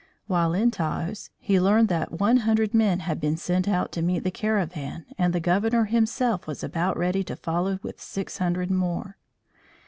While in Taos he learned that one hundred men had been sent out to meet the caravan and the Governor himself was about ready to follow with six hundred more.